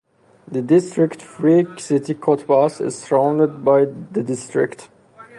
The district-free city Cottbus is surrounded by the district.